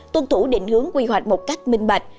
tuân thủ định hướng quy hoạch một cách minh bạch